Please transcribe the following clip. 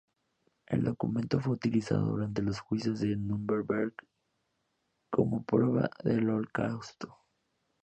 El documento fue utilizado durante los Juicios de Núremberg como prueba del Holocausto.